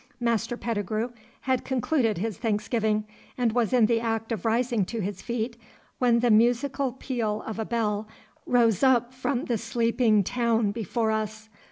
Master Pettigrue had concluded his thanksgiving, and was in the act of rising to his feet, when the musical peal of a bell rose up from the sleeping town before us.